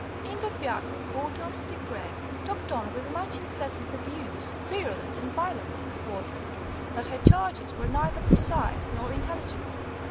In the fiacre Hortense Petitpré talked on with such incessant abuse, virulent and violent, of Quadling, that her charges were neither precise nor intelligible.